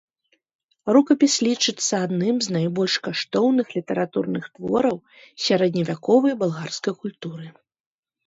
Рукапіс лічыцца адным з найбольш каштоўных літаратурных твораў сярэдневяковай балгарскай культуры.